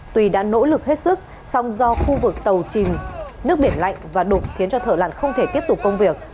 tùy đã nỗ lực hết sức song do khu vực tàu chìm nước biển lạnh và đục khiến cho thở lặng không thể tiếp tục công việc